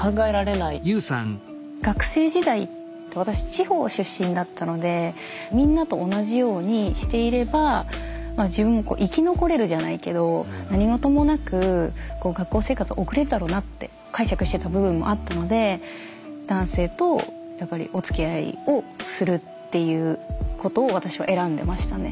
学生時代私地方出身だったのでみんなと同じようにしていればまあ自分もこう生き残れるじゃないけど何事もなく学校生活を送れるだろうなって解釈してた部分もあったので男性とやっぱりおつきあいをするっていうことを私は選んでましたね。